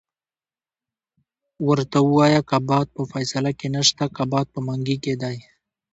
ورته ووایه قباحت په فیصله کې نشته، قباحت په منګي کې دی.